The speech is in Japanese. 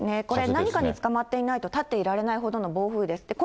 これ、何かにつかまっていないと立っていられないほどの暴風です。